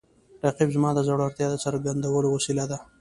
رقیب زما د زړورتیا د څرګندولو وسیله ده